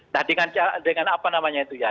nah dengan apa namanya itu ya